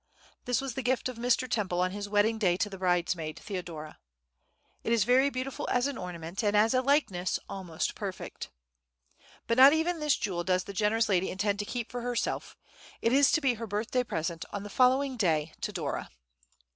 This was the gift of Mr. Temple on his wedding day to the bridesmaid, Theodora; it is very beautiful as an ornament, and as a likeness almost perfect. But not even this jewel does the generous lady intend to keep for herself; it is to be her birthday present on the following day to Dora.